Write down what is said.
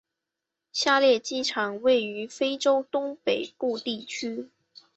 下列机场位于非洲东北部地区。